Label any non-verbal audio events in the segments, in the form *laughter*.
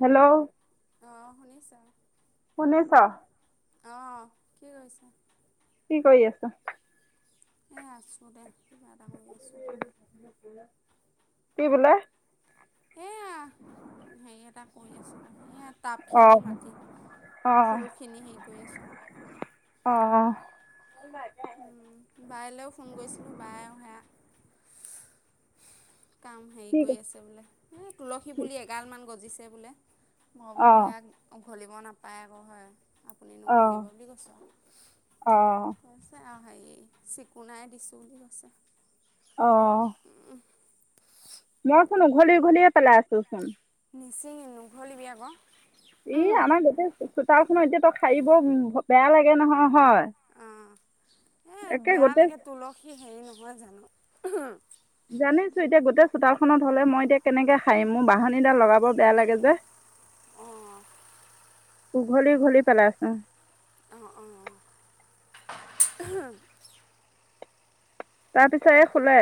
Hello! অঁ শুনিছো। শুনিছ। অহঁ কি কৰিছে? কি কৰি আছা এ আছোঁ দে। কিবা এটা কৰি আছোঁ। কি বোলে এইয়া হেৰি এটা কৰি আছোঁ এই অ টাবখিনি মাতি অ ফুলখিনি হেৰি কৰি আছোঁ। অ, অ। উম, বাইলৈও ফোন কৰিছিলোঁ, বায়েও সেয়া কাম হেৰি ঠিক কৰি আছে বোলে। এই তুলসী আছে পুলি এগাল মান গজিছে। তে বোলে। মই অ বোলো সেয়া উঘলিব নাপায় আকৌ হয়। আপুনি অ নঘলিব বুলি অ কৈছ আৱ হাই চিকুনাই দিছোঁ, বুলি কৈছে। মই চোন উঘালি উঘালিয়ে পেলাই আছো চোন। নিচিং নুঘলিব আক। ই আমাৰ গোটেই চোতা চ এতিয়া ত হাইব বেয়া লাগে নহয়, হয়? অ এ একে বেয়া গোটেই লাগে তুলসি হেৰি নহয় জানো? উম। জানিছো, এতিয়া গোটেই চোতালখনত হলে মই এতিয়া কেনেকে হাৰিম? মোৰ বাহানীডাল লগাব বেয়া লাগে যে, অ উঘলি, উঘলি পেলাই আছো। অঁ, অঁ। তাৰ পিছে শুলে।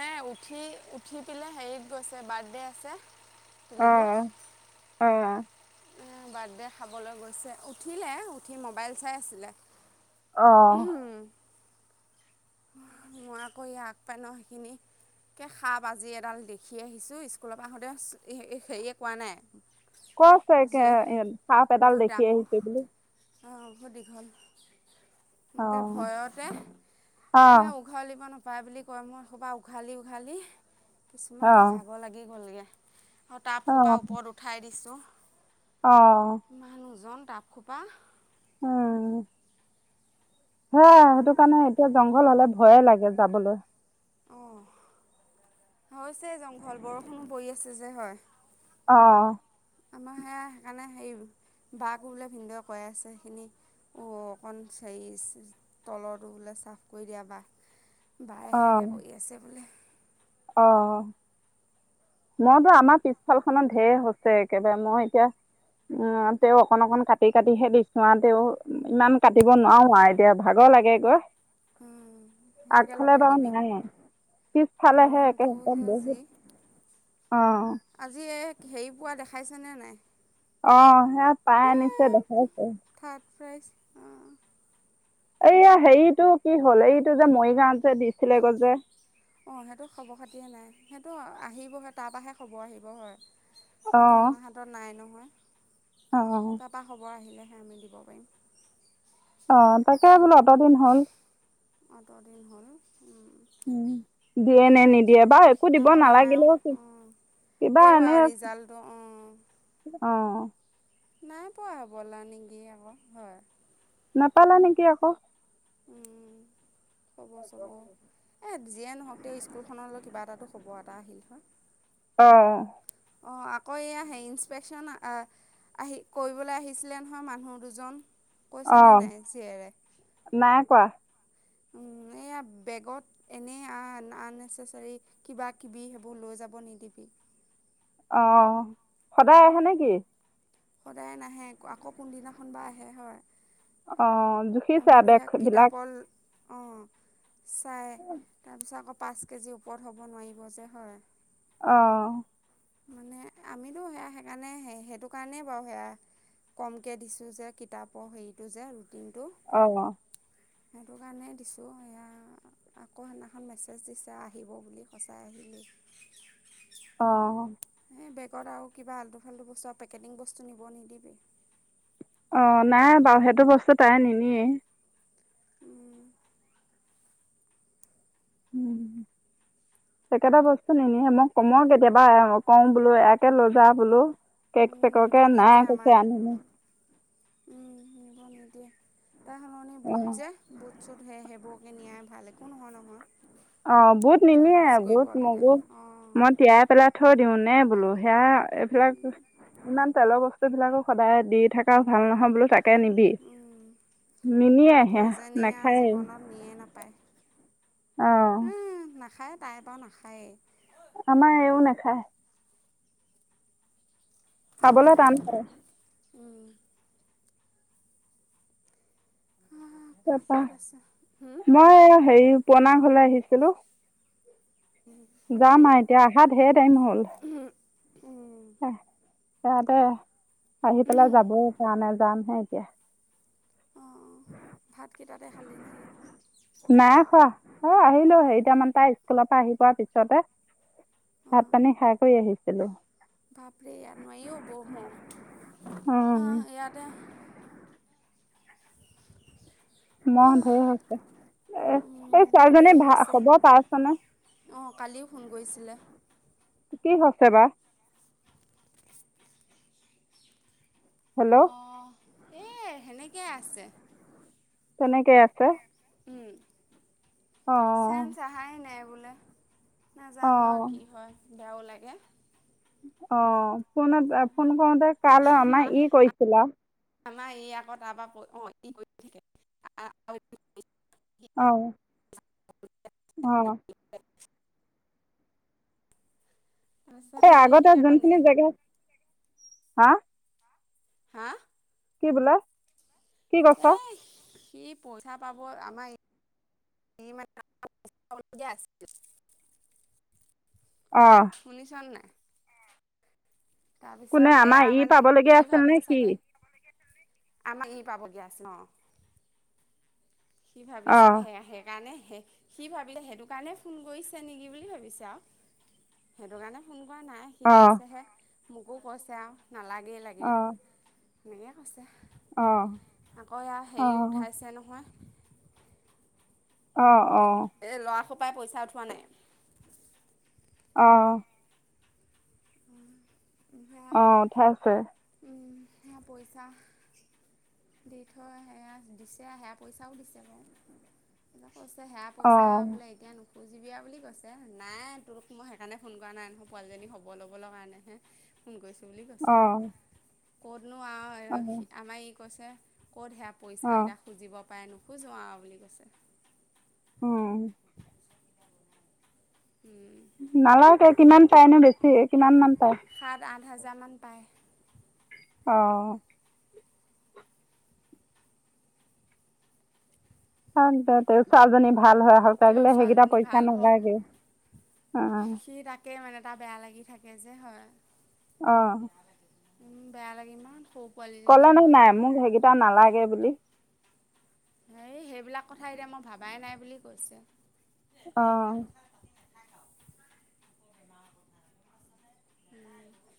এ উঠি‌ উঠি পিলে হেৰিত গৈছে, বাৰ্থডে আছে। তিলিকি অহ, অহ। বাৰ্থডে খাবলৈ গৈছে। উঠিলে, উঠি মোবাইল চাই আছিলে। অহ। মই আকৌ আগ পেন সিখিনি একে সাপ আজি এডাল দেখি আহিছো স্কুলৰ পৰা আহোঁতে, হেৰিয়ে কোৱা নাই। কৈছে, এতিয়া যে সাপ এডাল দেখি আহিছো বুলি। অ, বহুত দীঘল। এনেকে অ', ভয়তে হে অ', উঘালিবনপ পায় বুলি কয়। মই সোবা উঘালি উঘালি কিছুমান যে অ', ভাগৰ লাগি গ'লগে। টাপ সোপা অ', ওপৰত উঠাই দিছোঁ। অ', মানুহজন টাপ সোপা উম। সেয়া সেইটো কাৰণে এতিয়া জংঘল হলে ভয়ে লাগে যাবলৈ। অ' হৈছে জংঘল বৰষুণো পৰি আছে। যে হয়। অ' আমাৰ সেয়া সেইকাৰণে হেৰী দাগ বোলে ভিনদেউ কৈ আছে সেইখিনি অকণ হে তলৰটো বোলে চাফ কৰি দিয়া বা। বায়ে অ', সেয়াকৈ কৰি আছে বোলে। অ। মইতো আমাৰ পিছফাল খত ঢেৰ হৈছে একেবাৰে মইতো আমাৰ পিছফালখনত ঢেৰ হৈছে একেবাৰে মই এতিয়া উম তে অকন অকন কাটি কাটিহে দিছো আৰু তেও ইমান কাটিব নোৱাৰো আৰু এতিয়া ভাগৰ লাগে গৈ। সেয়াকে আগফালে লগাই বাৰু দিবি নাই, পিছফালেহে গৰমটো একে যে যি বহুত। অ' আজি হেৰি পোৱা দেখাইছে নে নাই? অ' হেয়া পাই আনিছে দেখাইছে। ফ্ৰাইজ অ' এইয়া হেৰিটো কি হ'ল এইটো যে মৰিগাঁৱত যে দিছিলে গৈ যে। অ' সেইটো খবৰ খাতিয়ে নাই সেইটো আহিব হে তাপা হে খবৰ আহিব হয়। সেইটো অ', আমাৰ হাতত নাই ন' হয়। অ'। তাপা খবৰ আহিলে। হে আমি দিব পাৰিম। অ তাকে বোলো অত দিন হ'ল। অত দিন হ'ল উম উম নে দিয়ে বা একো দিব নালাগিলেও কিবা তেও এনে আৰু ৰিজাল্টটো অঁ অ' নাই পোৱা হ'বলা নেকি আকৌ হয়। নেপালে নেকি আকৌ। খবৰ চবৰ যিয়ে নহওক তেওঁ স্কুলখনলৈ কিবা এটাটো। খ'বৰ এটা আহিল হয়। অ' অ' আকৌ এয়া ইনসপেকচন আহ আহি কৰিবলৈ আহিছিলে নহয় মানুহ দুজন। কৈছেনে আহ নাই জীয়েৰে নাই কোৱা। এইয়া বেগত এনেই আ আননেচেচাৰী কিবা কিবি সেইবোৰ লৈ যাব নিদিবি অ 'সদায় আহে নেকি? সদায় নাহে আকৌ কোনদিনাখন বা আহে হয়। অ' জুখিছা বেখ বিলাক। অ' চাই তাৰপিছত আকৌ। পাঁচ কেজি ওপৰত হ'ব নোৱাৰিব যে হয়। অহ মানে আমিতো সেয়া সেইকাৰণে সেইটো কাৰণেই বাৰু সেয়া কমকে দিছোঁ যে কিতাপৰ হেৰিটো যে ৰুটিনটো। অহ সেইটো কাৰণে দিছোঁ এয়া আকৌ সেইদিনাখন মেছেজ দিছে আহিব বুলি সঁচাই আহিলেই। অ এই বেগত আৰু কিবা আাল্টু ফাল্টু বস্তু আৰু পেকেটিং বস্তু নিব নিদিবি। অ নাই বাৰু সেইটো বস্তু তাই নিনিয়েই। উ পেকেটৰ বস্তু নিনিয়ে মই কম কেতিয়াবা কওঁ বোলো ইয়াকে‌ লৈযা বোলো। কেক চেককে নাই কৈছে আনে ন। উম নিব নিদিয়ে। তাৰ সলনি অ বুত যে বুত চোত সেই সেইবোৰ নিয়াই ভাল একো নহয় নহয়। অ বুত কিয় নিনিয়ে লাজ কৰিব বুট লাগে মগু অঁ মই তিয়াই পেলাই থৈ দিওঁ নে বোলোঁ সেয়া এইবিলাক ইমান তেলৰ বস্তু বিলাকো সদায় দি থাকাও ভাল নহয় বোলো তাক। কে নিবি নিনিয়ে আমাৰতো আহে এজনীয়ে আৰু নাখায়ে। জীৱনত নিয়ে নাপায় অহ নাখায় তাইৰ পৰা নাখায়েই। আমাৰ এয়ো নেখায়। খাবলৈ টান পায়। উম তাপা ক'ত আছে মই হেৰি পুৰণা ঘৰলৈ আহিছিলো যাম আৰু এতিয়া আহাৰ ঢেৰ টাইম হল আহ। অহ ', দে। আহি পেলাই অ যাব পৰা নাই যাম। হয় দিয়া। ভাতকেইটাতে খালি নেকি নাই খোৱা অহ ', আহিলো হে কেইটামানতে স্কুলৰ পৰা আহি পোৱা পিছতে অ ভাত পানী খাই কৰি আহিছিলো। বাপৰে ইয়াত নোৱাৰি অহ ', বহুত ম অ' আহ, ইয়তে ম হা ঢেৰ হৈছে এ এই মহো ছোৱালীজনী ঢেৰ ভাল হৈছে হব পাৰিছনে? অঁ কালিও ফোন কৰিছিলে কি হৈছে বা? হেল্ল', এ সেনেকে আছে। তেনেকে আছে। চেন অঁ চাহাই নাই বোলে। বে নাজানো অঁ আৰু কি হয়। বেয়াও লাগে। অহ ', ফোনত ফোন কৰোতে কাল আমাৰ ই কৈছিলা। আমাৰ এই আক তাৰপৰা প অহ ', কৰি থাকে *unintelligible* তাৰপিছত অহ ', অহ ', *unintelligible* এই সি আগতে আকৌ যোনখিনি নিজে জেগা হাহ। হাহ। কি বোলা? কি কৈছ। কি পইচা পাব আমাৰ *unintelligible* অঁ শুনিছনে নাই। কোনে তাৰপিছত আমাৰ সেয়া ই মানে পাবলগীয়া সি আছিল নে ভাবিছে সি চাগে। আমাক ই পাবলগীয়া আছে ন। সি ভাবিছে অঁ সেইকাৰণে সি ভাবিলে সেইটো কাৰণে ফোন কৰিছে নেকি বুলি ভাবিছে। আৰু সেইটো কাৰণে ফোন কৰা নাই সি অঁ কৈছেহে। মোকো কৈছে আৰু নালাগেই লাগিলে। অঁ এনেকে কৈছে। অঁ আকৌ ইয়াৰ হেৰি অঁ উঠাইছে নহয়। অ অ। হোপা পইচা উঠোৱা নাই। আহ্। সেয়া অ উঠাইছে। সেয়া পইচা দি থৈ সেয়া দিছে সেয়া পইচাও দিছে বাওঁ। কৈছে সেয়া পইচা অঁ বোলে এতিয়া নো *unintelligible* খবৰ ল'বলৈ কাৰণেহে ফোন কৰিছোঁ। সেই বুলি কৈছে আও। অঁ ক'ত? নো আৰু আমাৰ ই *inaudible* কৈছে ক'ত সেয়া পইচা অঁ এটা খুজিব। নাই নোখোজো আও বুলি কৈছে। আও। নালাগে কিমান পায়নো বেছি কিমান মান পায়? হাজামান পায়। অঁ। পাছ *unintelligible* তৌ চোৱালজনী। ভাল হয় আহক তেওঁ লাগিলে সেইকেইটা ছোৱালীজনী পইচা ভাল হওক নলাগেই অঁ। তা বেয়া লাগি থাকে যে, হয়। অঁ উম বেয়া লাগে *unintelligible* কলানে হয় নাই মোক সেইকেইটা নালাগে বুলি। বিলাক কথা এতিয়া মই ভাবাই নাই বুলি কৈছে। অঁহ।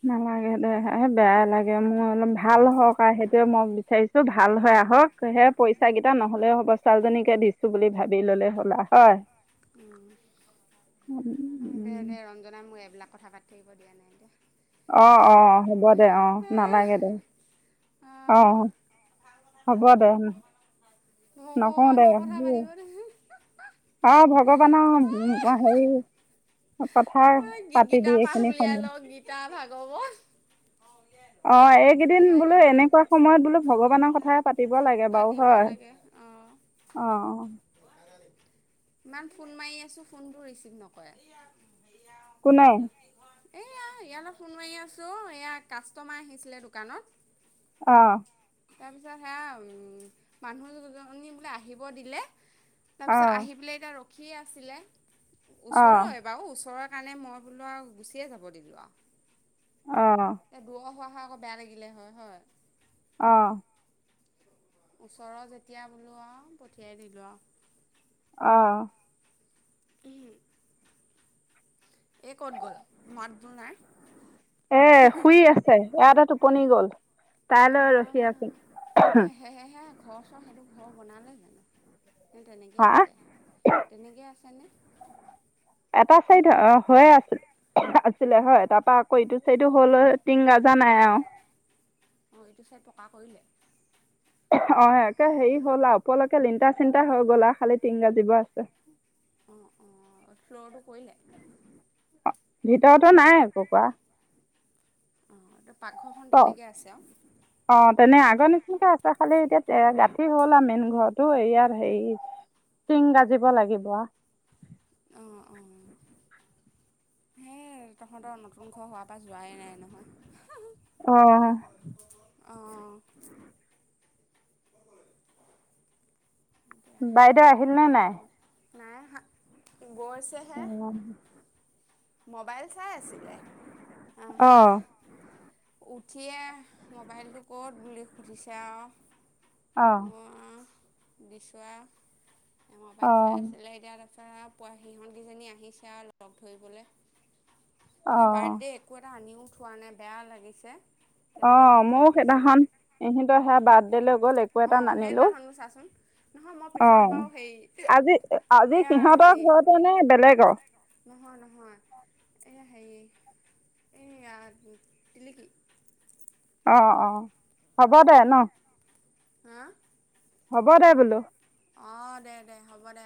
নালাগে দে হে বেয়াই লাগে। কিয় মো অলপ ভাল হওঁক সেইটোয়ে মই বি চাইছো ভাল হয় আহ'ক সেই পইচা কেইটা নহ'লেও হ'ব ছোৱালীজনীকে দিছো বুলি ভাবি ললে হ'ল আ হয়। উম দে দে ৰঞ্জনা মোৰ এবিলাক। কথা পাতি থাকিব দিয়া নাই দে। অ অ হ'ব দে অ নালাগে দে অ অ ভগৱানৰ হ'ব দে নকওঁ দে। *inaudible* কথা পাতিব দেচোন আহ ভগৱানৰ *inaudible* হেৰি কথা আহ পাতিবি গীতা পাঠ এইখিনি উলিয়াই লওঁ গীতা ভাগৱত সময়ত আহ এইকেইদিন সেয়াকে বোলো এনেকুৱা সময়ত বোলো ভগৱানৰ কথ পাতিব লাগে বাৰু পাতিব হয় লাগে অঁ অ। ইমান ফোন মাৰি আছোঁ ফোনতো ৰিচিভ নকই। কোনে। এইয়া ইয়ালে ফোন মাৰি আছোঁ এয়া কাষ্টমাৰ আহিছিলে দোকানত। অহ। তাৰপিছত সেয়া উম মানুহ দুজনী বোলে আহিব দিলে। তাৰপিছত অঁ আহি পিলে। ৰখিয়ে আছিলে। অঁ ওচৰই বাও ওচৰে। কাণে মই বোলো আও গুচিয়ে যাব দিলো আও। অ। খৱা হয় আক বেয়া লাগিলে হয় হয়। অ। ওচৰৰ যেতিয়া বোলো আও পঠিয়াই দিলো আও। অ। *unintelligible* এই ক'ত গ'ল মাতবোল নাই। পণি গ'ল। তাইলৈ ৰখি আছিং। ঘ চ সেইটো ঘৰ বনালে জানো? তেনেকে হা আছে তেনেকে আছ তেনে? এটা চাইড অ হৈ আছিল আছিলে হয় তা পা আকৌ ইটো চাইডো হ'ল ঐ টিং ৰাজ নাই অ। অ এইটো চাইড পকা কৰিলে। অ কে হেৰি হ'ল আৰু ওপৰলৈকে লিটা চিন্তা হৈ গ'ল আৰু খালি টিং ৰাজিব আছে। অ অ ফ্লৰটো কৰিলে। ভিত তইটো নাই একো কৰা অঁ তো পাকঘৰখন ত তেনেকৈ আছে আৰু অ তেনে আগৰ নিচিনাকে আছে খালি এতিয়া গাঁঠি হল আৰু মেইন ঘৰটো ইয়াৰ হেৰি চিং গাজিব লাগিব হেই তহঁতৰ নতুন ঘৰ হোৱাৰ পৰা যোৱাই নাই নহয় অ অ এতিয়া বাইদেউ আহিল নে নাই? যাব নাই আহা গৈছেহে অ মোবাইল চাই আছিলে আহ অ উঠিয়ে মোবাইলটো ক'ত বুলি সুধিছে আও অ দিছু আও মোবাইল চাই আছিলে এতিয়া তা পোৱা সিহসন্দি জনী আহিছে আৰু লগ ধৰিবলৈ অ এ বাৰ্থ ডে একো এটা আনিও থোৱা নাই বেয়া লাগিছে অ তেনেকৈ পঠিয়াই ময়ো দিছোঁ সেইদিনাখন ইহঁতৰ সেয়া বাৰ্থডে লৈ গল একো এটা অঁ নানিলো সেইদিনাখনো চাচোন নহয় মই অ পিছত বাৰু হেৰি আজি আজি এয়া হেৰি সিহঁতৰ ঘৰতে নে বেলেগৰ নহয় নহয় এয়া হেৰি এইয়া তিলিকি অ অ হ'ব দে ন হম হ'ব দে বোলো অ দে দে হ'ব দে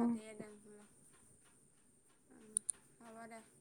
অ দে উম হব দে